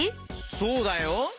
そうだよ。